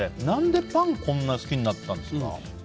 何でパンをこんなに好きになったんですか？